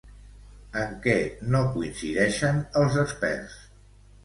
En què no coincideixen els experts?